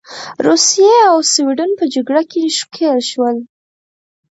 روسیې او سوېډن په جګړه کې ښکیل شول.